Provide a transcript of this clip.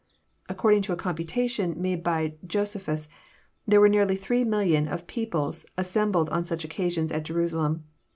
According to a computation made by Josephus there were nearly three millions of people as sembled on such occasions at Jerusalem.